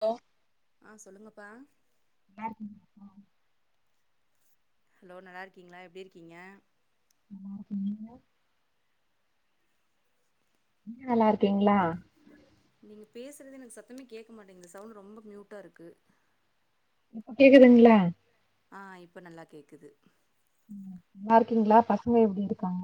Hello ஹா சொல்லுங்கப்பா [inaudible] hello நல்லா இருக்கீங்களா எப்படி இருக்கீங்க [unintelligible] நல்லா இருக்கீங்களா நீங்க பேசுறது எனக்கு சத்தமே கேட்க மாட்டேங்கிது இந்த சவுண்ட் ரொம்ப கூயூட்டா இருக்கு இப்ப கேக்குதுங்களா ஹா இப்ப நல்லா கேக்குது நல்லா இருக்கீங்களா பசங்க எப்படி இருக்காங்க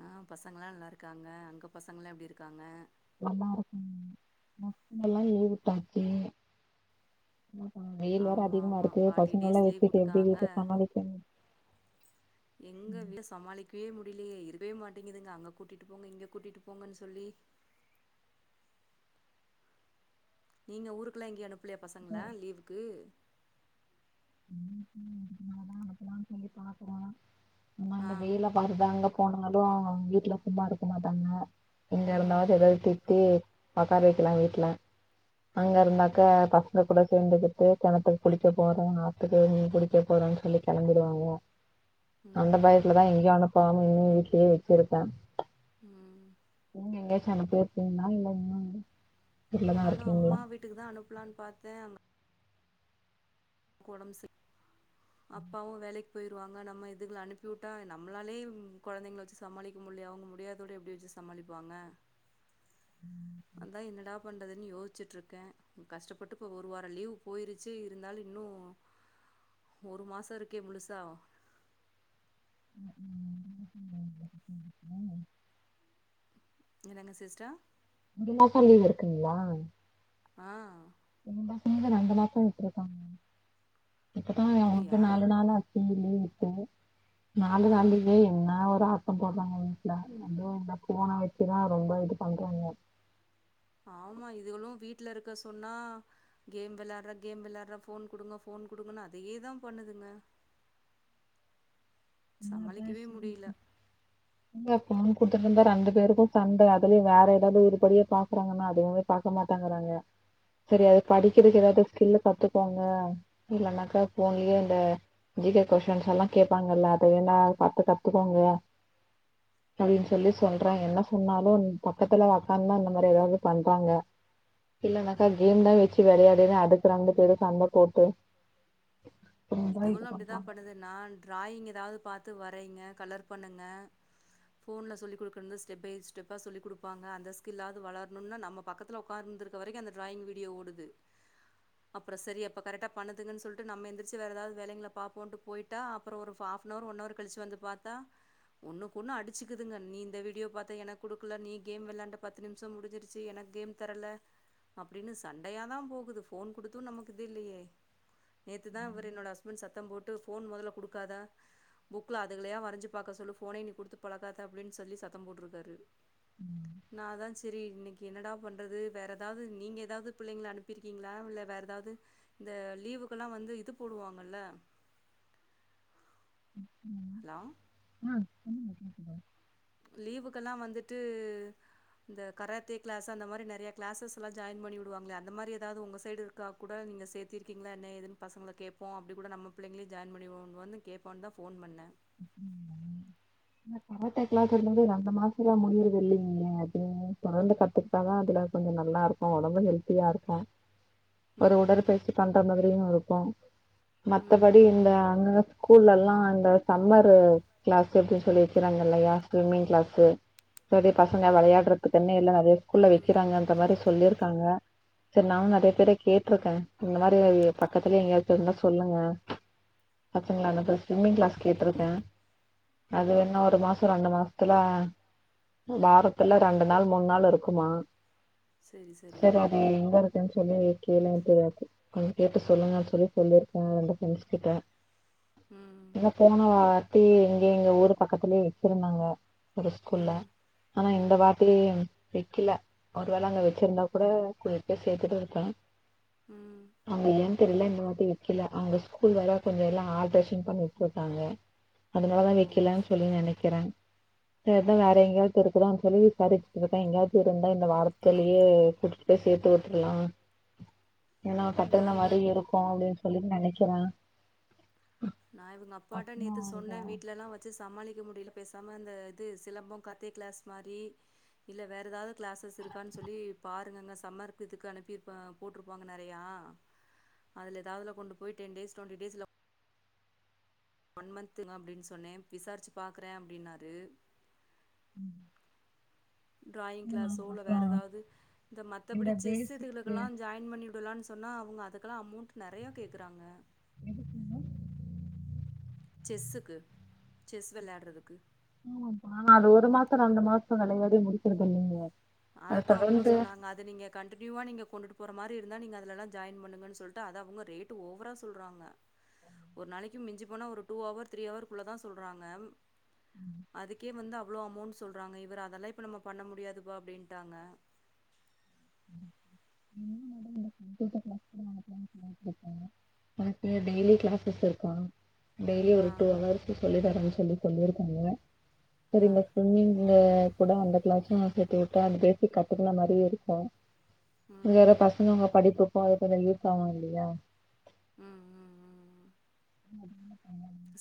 ஹா பசங்க எல்லாம் நல்லா இருக்காங்க அங்க பசங்கல்லாம் எப்படி இருக்காங்க [unintelligible] வெயில் வேற அதிகமா ஆமா-ஆமா இருக்கு பாட்டி டேஸ் பசங்கல்லா லீ்வ் வச்சுட்டு எப்டி விட்டுக்காங்க வீட்ல சமாளிக்கிறது எங்க ம், வீட்ட சமாளிக்கவே முடிய அப்டிலையே இருகவே மாட்டேங்குதுங்க அங்க கூட்டிட்டு போங்க இங்க கூட்டிட்டு போங்கன்னு சொல்லி நீங்க ஊருக்குல்லாம் எங்கய அனுப்ப ளையா இப்போ பசங்களா லீவுக்கு ன தான் அக்குல்லாம் சொல்லி பாக்குறோம் ஆ ஆமாங்க வெயில பாருதா அங்க [unintelligible] வீட்டுல சும்மா இருக்க மாட்டாங்க இங்க ம் இருந்தாவது ம் எதாவ திட்டி உக்கார வக்கலாம் வீட்டுல அங்க இருந்தாக்க பசங்க கூட சேர்ந்துக்கிட்டு கிணத்துக்கு குளிக்க போறங்க த்துக்கு குளிக்க போறேன்னு சொல்லி கிளம்பிடுவாங்க அந்த பயத்துல ம் ம் தான் எங்கேயும் அனுப்பாம இம் வீட்லயே வச்சிருக்கா ம் நீ எங்கயாசம் அனுப்பி இருப்பீன்னா இல்ல இன்னும் நானும் அம்மா வீட்டுக்கு தான் அனுப்புலான்னு பாத்தேன் அங்க உடம்பு செர அப்பாவும் வேலக்கு போயடுவாங்க நம்ம இதுங்களை அனுப்பிவிட்டா நம்மளாலே கெழந்தைங்க வச்சு சமாளிக்க முடியல அவங்க முடியாதோட எப்டி வச்சு சமாளிப்பாங்க [inaudible] அதான் என்னடா பண்றதுன்னு யோசிச்சுட்டு இருக்கேன் கஷ்டப்பட்டு இப்ப ஒரு வாரம் லீவ் போயிருச்சு இருந்தாலும் இன்னும் ஒரு மாசம் இருக்கே முழுசா ம் என்னங்க சிஸ்டர் மாசம் லீவ் இருக்குங்களா ஹா [unintelligible] இப்பதான் அவுங்களுக்கு அப்டியா நாலு நாளா இல்ல இப்ப நாலு ஆ நாலுலே என்ன ஒரு அம்மமா வீட்டுல வந்து நான் போன வைக்கிறேன் ரொம்ப இது பண்றாங்க ஆமா இதுகளும் வீட்டுல இருக்க சொன்னா கேம் விளாடுற கேம் விளையாடுற போன் குடுங்க போன் குடுங்கன்னு அதேதான் பண்ணுதுங்க சமாளிக்கவே முடியல [unintelligible] இத போன் குடுத்துட்டு இருந்தா ரெண்டு பேருக்கும் சண்ட ஆகுது வேற ஏதாவது ஒருபடியே பாக்குறாங்கன்னா அதுவுமே பாக்க மாட்டாங்கறாங்க செரி அது படிக்கிறதுக்கு ஏதாவது ஸ்கில் கத்துக்கோங்க இல்லன்னாக்கா போன்லயே இந்த ஜிகே கொஸின்ஸ் எல்லாம் கேட்பாங்கல்ல இதையெல்லா பாத்து கத்துக்கோங்க அப்டின்னு சொல்லி சொல்றேன் என்ன சொன்னாலும் பக்கத்துல உக்காந்தா இந்த மாரி ஏதாவது பண்றாங்க இல்ல நக்கா ம் கேம் தான் வச்சி வே அடுக்கு ரெண்டு பேரும் சண்ட போட்டு ரொம்ப இது இதுகளும் அப்டித்தான் பண்றாங்க. பண்ணுது நான் டிராயிங் ஏதாவது பாத் து வரைங்க கலர் பண்ணுங்க போன்ல சொல்லிக் கொடுகுனது ஸ்டெப் பை ஸ்டெப்பா சொல்லி கொடுப்பாங்க அத ஸ்கில் ஆவது வளரணும்னு நம்ம பக்கத்துல உக்காந்து இருக்கிற வரைக்கும் அந்த ட்ராயிங் வீடியோ ஓடுது அப்போ செரி கரெக்டா பண்றதுக சொல்லிட்டு நம்ம எந்திரிச்சு விட்டு வேற ஏதாவது வேலய பாக்கணும் போயிட்டா அப்பறம் ஒரு ஹாஃப்னவர் ஒன் ஹவர் கழிச்சு வந்து பாத்தா ஒன்னுக்கு ஒன்னு அடிச்சுகிதுக நீ இந்த வீடியோ பாத்த எனக்கு கொடுக்கல நீ கேம் விளையாட பத்து நிமிஷம் முடிஞ்சிருச்சு என கேம் தரல அப்டின்னு சண்டையாதா போகுது போன் கொடுத்து நமக்கு இல்லயே நேத்து த இவர் என் ஹஸ்பண்ட் சத்தம் போட்டு போன் முதல கொடுக்காத புக்குல அதுங்களே வரைஞ்சு பாக்க சொல்லு போனையே நீ கொடுத்து பழகாத அப்டின்னு சொல்லி சத்தம் போட்ருக்காரு ம். நா அதான் செரி என்னட பண்றது வேற ஏதாவது நீங்க ஏதாவது புள்ளைங்கள அனுப்பருக்கீளா இல்ல வேற ஏதாவது லீவுக்கெல்லாம் வந்து வித்து போடுவாங்கல ம். ஹலோ [unintelligible] லீவுக்கெல்லா வந்துட்டு இந்த கராத்தே கிளாஸ் அந்த மாரி நெறையா கிளாஸஸ்லா ஜாயின் பண்ணிவிடுவாங்களே அந்த மாரி ஏதாவது உங்க சைடு இருக்கா கூட நீங்க சேத்திருக்கீங்களா என்ன ஏதுன்னு பசங்கள கேட்போ அப்டி கூட நம்ம பிள்ளைங்களே ஜாயின் பண்ணிவிவோ வந்து கேப்பான்தா போன் பண்ணே கராத்தே கிளாஸ் ரெண்டு மாசத்ல முடியறது இல்லங்கே அப்டின்னு தொடர்ந்து கத்துக்கிட்டாதா அதுல கொஞ்சம் நல்லா இருக்கும் உடம்ப ஹெல்த்தியா இருக்கும் ஒரு ம் ம் உடற்பயிற்சி பண்ற மாதிரியும் இருக்கும் மத்தபடி ம் ம் இல்ல அங்க ஸ்கூல்லலா ஆண்டோ சம்மரு கிளாஸ் எப்டின்னு சொல்லிறாங்க இல்லையா ஸ்விம்மிங் கிளாஸ் பெரிய பசங்க வெளையாடுறதுக்குன்னே இல்ல வேற ஸ்கூல் ம் வைக்கிறாங்க அந்த மாரி சொல்லிருக் காங்க செரி நாங்க அத எப்டி கேட்டிருக்கே இந்த மாரி பக்கத்திலே எங்கயாசு இருந்தா சொல்லுங்க பசங்கள அனுப்ப ஸ்விம்மிங் கிளாஸ் கேட்ருக்கே அது ம் வேணா ஒரு மாசோ ரெண்டு மாசோ த்துல வாரத்துல ரெண்டு நாள் மூணு நாள் இருக்குமா செரி அது எங்க இருக்கு சொல் சொல்லி கேள்வி படாது கொஞ்ச கேட்டு சொல்லுங்க சொல்லி சொல்லியிருக்கேன் ரெண்டு ப்ரெண்ட்ஸ் கிட்ட உம் எங்க பொண்ணும் அப்டியே எங்க எங்க ஊரு பக்கத்திலயே வச்சிருந்தாங்க ஒரு ஸ்கூல்ல ம் ஆனா இந்த ம் வாரத்திலயே வெக்கில ஒருவேளை அங்க வச்சிருந்தா கூட கொஞ்ச போய் சேத்துட்டு இருப்பே ம் அங்காய் தில்ல இந்த வாட்டி வெக்கல எங்க ஸ்கூல் வேர கொஞ்ச எல்லா ஆல்ட்ரெஷன் பண்ணி ருக்காங்க அதனால ஓ வைக்கலன் சொல்லி செரி செரி நெனைக்கிறே செரிதா வேற எங்கேயாவது இருக்குத்தானு சொல்லி [unintelligible] எங்கயாது இருந்தா இந்த வாரத்திலே குடிட்டு போய் சேர்த்து விட்டுருலா என்னா நா கட்டண மாரி இவர் இருக்கு அப்டின்னு சொல்லி நினைக்கிறே நா இவுங்க அப்பாட்ட நேத்து சொன்னே வீட்லல்லா வச்சி சமாளிக்க முடியல பேச பேசாம அ அந்த இது சிலம்பம் கராத்தி கிளாஸ் மாரி இல்ல வேற ஏதாவது கிளாஸஸ் இருக்கான் சொல்லி பாருங்கங்க சம்மருக்கு இதுக்கு அனுப்பி போட்ருப்பாங்க நெறையா அதில ஏதாவதுல கொண்டு போய் டென் டேஸ் ட்வெண்ட்டி டேஸ்ல ஒன் மன்துங்க அப்டின்னு சொன்னே விசாரிச்சி பாக்குறே அப்டின்னாரு உம் டிராயிங் கிளாஸ்ஸோ இல்ல வேற ஏதாவது இந்த மத்தபடி செஸ் இதுகளுக்கெல்லா ஜாயின் பண்ணி போலான் சொன்னா அவுங்க அதுக்கெலா அமௌண்ட் நெறைய கேக்குறாங்க எதுக்குங்க செஸ்ஸுக்கு செஸ் வெளையாடுறதுக்கு நா அது ஒரு மாசம் ரெண்டு மாசம் விளையாடி முடிச்சிக்கிறதில்லைங்க அதத்தா அவுங்களு சொன்னாங்க அத நீங்க கண்டினியூவா நீங்க கொண்ட்டு போற மாரி இருந்தா நீங்க அததுலா ஜாயின் பண்ணங்கன்னு சொல்லிட்டு அத அவுங்க ரேட்டு ஓவராக சொல்றாங்க உம் [inaudible] ஒரு நாளைக்கு மிஞ்சி போன ஒரு டூ அவர் த்ரீ அவர்க்குள்ளதா சொல்றாங்க அதுக்கே வந்த அவ்ளோ அமௌண்டு சொல்றாங்க இவர் அதெல்லா இப்ப நம்ம பண்ண முடியாது இப்போ அப்புடின்ட்டாங்க என்ன மேடம் இந்த கம்யூட்டர் கிளாஸ் கூட வக்கலாம்னு சொல்லிட்டு இருக்காங்க எனக்கு டெய்லி கிளாஸ் இருக்கு ஆ டெய்லி ஆ ஆ ஒரு டுஅவர்ஷ் சொல்லி தாங்கமீஷ் சொல்லி சொல்லிருக்காங்க ஆ செரி மிஸ் சொன்னிங்ளே கூட அந்த கிளாசு சேத்து விட்டா அது பேசிக் கத்துகென மாரியு இருக்கு ம் இது வேற ம் பசங்க அவுங்க படிப்புக்கு இதுல யுஸ் ஆவும் இல்லியா உம் உம் உம் உம்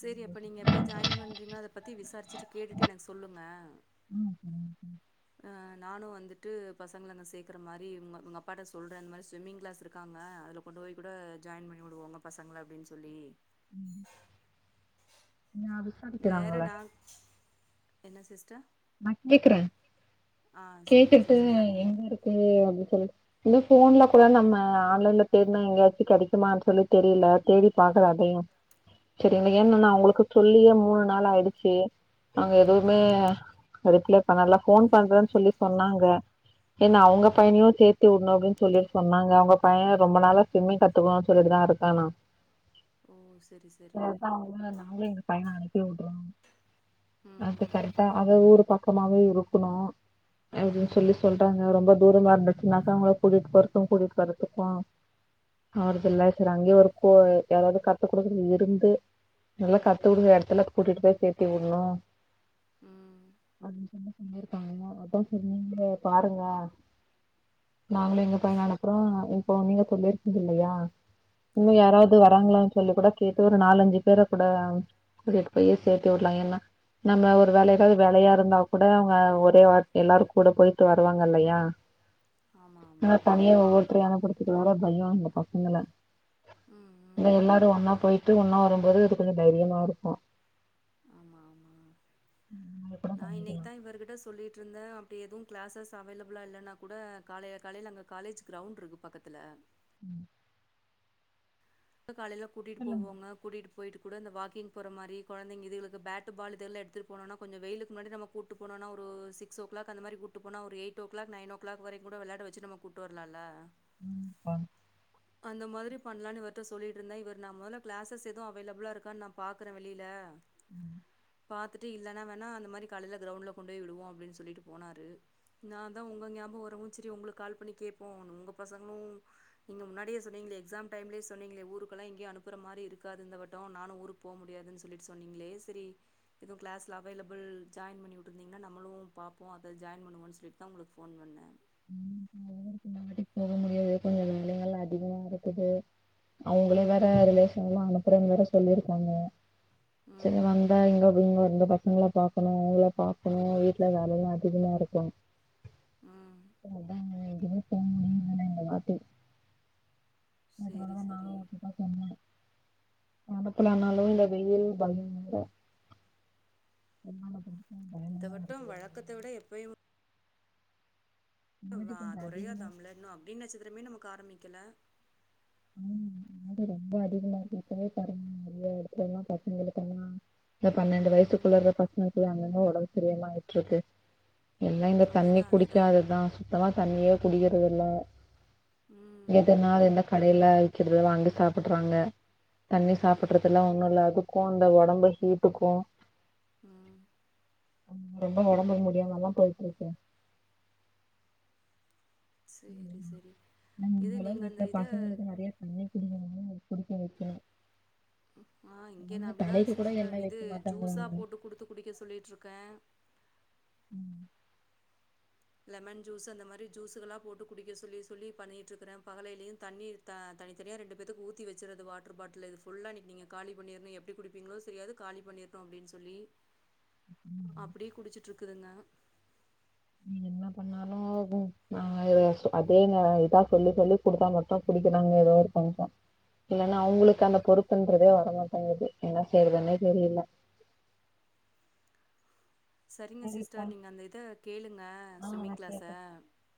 சேரி அப்ப நீங்க எப்ப ஜாயின் பண்றீங்க அத பத்தி விசாரிச்சிட்டு கேட்டுட்டு எனக்கு சொல்லுங்க உம் அஹ நானு வந்துட்டு பசங்கள அங்க சேக்குற மாரி உங்க உங்க அப்பாட்டசொல்ற அந்த மாதிரி ஸ்விம்மிங் கிளாஸ் இருக்காங்க அதுல கொண்டு போய் கூட ஜாயின் பண்ணி விடுங்க பசங்கள அப்டின்னு சொல்லி உம் நீ வேற அதுசடுத்திலாங்களா நா என்ன சிஸ்டர் நா கேக்குறே ஆ சரிங்க கேட்டுட்டு சிஸ்டர் நா எங்க இருக்கு அப ச் போன்ல கூட நம்ம ஆன்லைன்ல தேடினா எங்கையாச்சு கெடைக்குமா சொல்லி தெரியல தேடி பாக்கலா அதையு செரி ஏன்னன்னா அவுங்களுக்கு சொல்லியு மூணு நாள் ஆயிடுச்சு நாங்க எதுவுமே ஆ ரிப்ளே பண்ணல போன் பண்றேன்னு சொல்லி சொன்னாங்க ஏன்னா அவுங்க பையனையு சேத்து விடணு அப்புடின்னு சொல்லிட்டு சொன்னாங்க அவுங்க பையனை ரொம்ப நாளால ஸ்விம்மிங் கத்துக்குணு சொல்லிட்டுதா இருக்கானா ஓ சரி சரி சதா அவுங்க நம்ளே பையன அனுப்பிவுடுறோம் அது ம் கரட்டா அவ ஊரு பக்கமாவே இருக்குணு ம் அப்டின் ம் சொல்லி சொல்றாங்க ரொம்ப தூரமா இருந்துச்சுனாக்கா அவுங்கள கூட்டிட்டு போறதுக்கு கூட்டிட்டு வரதுக்கு அவர்தல்ல சரி அங்கே இருக்கு யாராவது கத்து குடுறது இருந்து நல்லா கத்து குடுக்கற இடத்துல கூட்டிட்டு போய் சேத்தி விடணு உம் அது சொன்ன சொல்லியிருக்காங்கல அதான் சொன்னிங்ளே பாருங்க நாங்களே எங்க பையன அனுப்புறே இப்ப நீங்க சொல்லியிருக்கீங்க இல்லியா இன்னு ஆமா யாராவது வராங்களானு சொல்லி கூட கேட்டு நாலஞ்சு பேர கூட கூட்டிட்டு பேயே சேத்து விடலா ஏன்னா நம்ம ஒரு வேலைகள் வேலையா இருந்தா கூட அவுங்க ஒரே வாட் எல்லாரு கூட போயிட்டு வருவாங்க இல்லையா ஆமா ஆமா ஆனா தனியே ஒவ்வொருத்தரா நா குடுத்துட்டு வர பயோ இல்லப்பா உங்கள ம் இல்ல ம் எல்லாத் து ஒன்னா போயிட்டு ஒன்னா வரும்போது அது கொஞ்ச தைரியமா இருக்கு ஆமா ஆமா அது கூட நா பண்ணிக்கலா இன்னைக்கிதா இவர்கிட்ட சொல்லிட்ருந்தே ப்டி எதுவு கிளாசஸ் அவைலபிளா இல்லன்னா கூட காலைல காலைல அங்க காலேஜ் கிரவுண்ட் இருக்கு பக்கத்துல உம் [unintelligible] காலைல கூட்டிட்டு போவாங்க கூட்டிட்டு போயிட்டு கூட இந்த வாக்கிங் போற மாரி கொழந்தைங்க இதுகளுக்கு பேட்டு பால் இதெல்லா எடுத்துட்டு போனோன்னா கொஞ்சோ வெயிலுக்கு முன்னாடி நம்ம கூட்டு போனோன்னா ஒரு சிக்ஸ் ஓ கிளாக் அந்த மாரி கூட்டு போனா ஒரு eight o'clock nine o'clock வரைக்கு கூட வெளையாட வச்சு நம்ம கூட்டு வர்லால்ல [unintelligible] அந்த மாதிரி பண்லான்னு வர் ட்ட சொல்லிட்டு இருந்தே இவர் நா மொதல்ல கிளாசஸ் எதுவு அவைலபிளா இருக்கான்னு நா பாக்குறே வெளில உம் பாத்துட்டு இல்லைன்னா வேணா அந்த மாரி காலையில கிரவுண்டில் கொண்டு போய் விடுவோம் அப்புடின் சொல்லிட்டு போனாரு நான் தான் உங்க ஞாபகம் வரவும் சரி உங்களுக்கு கால் பண்ணி கேட்போம் உங்கள் பசங்களும் நீங்கள் முன்னாடியே சொன்னீங்களே எக்ஸாம் டைம்லேயே சொன்னீங்களே ஊருக்கெல்லா எங்கேயும் அனுப்புற மாரி இருக்காது இந்தவட்டோ நானு ஊருக்கு போக முடியாதுன்னு சொல்லிட்டு சொன்னீங்களே சரி எதுவு கிளாஸ்ல அவைலபிள் ஜாயின் பண்ணி உட்ருந்தீங்கன்னா நம்மளு பாப்போ அத ஜாயின் பண்ணுவோன்னு சொல்லிட்டுதா உங்களுக்கு ஃபோன் பண்ணே [inaudible] இந்த வாட்டி போக முடியாது கொஞ்சோ வேலைகள் அதிகமா இருக்குது ம் அவங்களே வேற ம் ரிலேஷன் எல்லா அனுப் அப்றோ வேற சொல்லிருக்காங்க ம் சரி ம் வந்தா இங்க [unintelligible] பசங்கள பாக்கணு அவங்கள பாக்கணு வீட்ல வேலைலா அதிகமா இருக்கு உம் அதாங்க எங்கயுமே போமுடியலைன்னா இந்த வாட்டி சேரி அதனாலதா நானு சேரி அப்டிதா சொன்னே அனுப்புலனாலு இந்த வெயில் பயங்கர [unintelligible] இந்த வட்டும் இருக்குது வழக்கத்த விட எப்பயும் முன்னாடி [unintelligible] ஆ கொஞ்சோ அதிகமா கொறையாதாம்ல இன்னு அக்னி நட்சத்துரமே நமக் க்காரம்பிக்கல ஆமா [unintelligible] ரொம்ப அதிகமா இருக்கு இப்பவே பாருங்க நெறையா எடத்துலல்லா பசங்களுக்கெல்லா இந்த பண்னென்டு ம் வயசுக்குள்ளர்ற பசங்க து அங்கங்க உளவுத்துறையாமா விட்ருக்கு எல்லா இந்த தண்ணி அதுதா அதுதா குடிக்காததுதா சுத்தமா தண்ணியே குடிக்கிறதில்ல ம் எத நா எனக் கடைல விக்கிறத வாங்கி சாப்பட்றாங்க தண்ணீ ம் சாப்பிடுறது ம் எல்லாம் ஒண்ணு உள்ள அது க்கு இந்த ஒடம்பு ஹீட்டுக்கு உம் [unintelligible] ரொம்ப உடம்பு முடியாமல்லாம் போயிட்டு இருக்கேன் சேரி சேரி இது உங்களள் நீங்க அந்த வீட்டுல இத பசங்களுக்கு நிறைய பண்ண புடி அது புடிக்க வைக்கல்லா ஆஹ் இங்க நான் அப்படிதான் சிஸ்டர் எண்ணெய் இது வைக்க ஜூஸ்ஸா மாட்டாங்களாங்க போட்டு குடுத்து குடிக்க சொல்லிட்டு இருக்கேன் லெமன் ஜூஸ் அந்த மாதிரி ஜூஸ்கல்லாமபோட்டு குடிக்க சொல்லி சொல்லி பண்ணிட்டு இருக்கறேன் பகலையிலயையும் தண்ணி தனித்தனியா ரெண்டு பேத்துக்கு ஊத்தி வச்சுறது வாட்டர் பாட்டில் இது ஃபுல்லா இன்னைக்கு நீ காலி பண்ணிடணும் எப்படி குடிப்பீங்களோ தேரியாது காலி பண்ணியர்ணும் அப்படின்னு சொல்லி அப்படியே குடிச்சுட்டு இருக்குதுங்க நீ என்ன பண்ணாலும் அதே நே இதா சொல்லி சொல்லி குடுத்தா மட்டும் குடிக்கிறாங்க ஏதோ கெஞ்சம் இல்ன்னா அவங்களுக்கு ம் அந்த பொறுப்புன்றதே வர மாட் அது என்ன செய்றதுன்னே தெரியல்லா சரிங்க சிஸ்டர் நீங்கள் அந்த இதை கேளுங்க ஆஹ் ஸ்விம்மிங் நான் கேக்குறேன் கிளாஸ்ஷ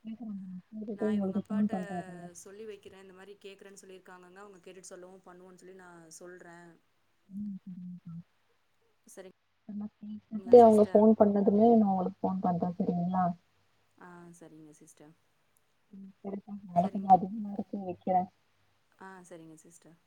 கேக்குறாங்க நான் கேட்டுட்டு நான் இவங்க உங்களுக்கு ஃபோன் அப்பாட்ட பண்றேன் இருங்க சொல்லி வைக்கிறேன் இந்த மாரி கேட்குறேன்னு சொல்லியிருக்காங்க அவங்க கேட்டுட்டு சொல்லவும் பண்ணுவோன்னு சொல்லி நான் சொல்றேன் [inaudible] உம்உம் சரிங்களா ஒகே அவங்க சிஸ்டர் போன் பண்ணதுமே ந உளுக்கு போன் வந்தா செய்ரிங்களா ஆ சரிங்க சிஸ்டர் நாடக்கும் சரிங்க அதும் நாடக்கும் இப்பா ஆ சரிங்க சிஸ்டர்